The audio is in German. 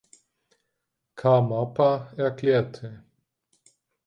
Karmapa erklärte.